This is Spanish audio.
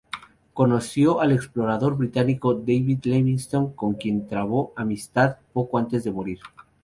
Conoció al explorador británico David Livingstone, con quien trabó amistad poco antes de morir.